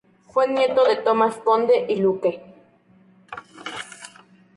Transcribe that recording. Fue nieto de Tomas Conde y Luque.